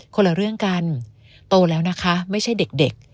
คนละเรื่องกันโตแล้วนะคะไม่ใช่เด็ก